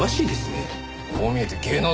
こう見えて芸能通だよ。